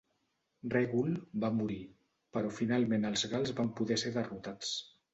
Règul va morir però finalment els gals van poder ser derrotats.